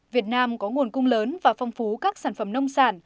việt nam có nguồn cung lớn và phong phú các sản phẩm nông sản